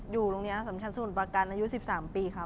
อยู่โรงเรียนอสัมชันศูนย์ประกันอายุ๑๓ปีครับ